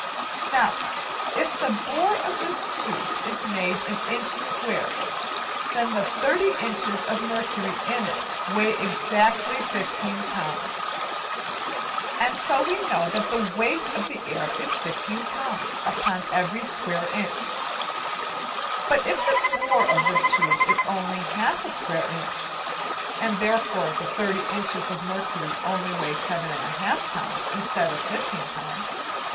Now if the bore of this tube is made an inch square, then the 30 inches of mercury in it weigh exactly 15 lbs, and so we know that the weight of the air is 15 lbs. upon every square inch, but if the bore of the tube is only half a square inch, and therefore the 30 inches of mercury only weigh 7 1/2 lbs. instead of 15 lbs.